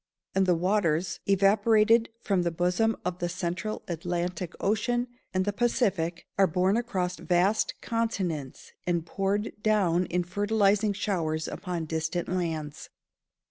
And the waters, evaporated from the bosom of the central Atlantic Ocean and the Pacific, are borne across vast continents, and poured down in fertilising showers upon distant lands.